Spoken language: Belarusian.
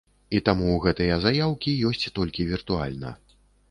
І таму гэтыя заяўкі ёсць толькі віртуальна.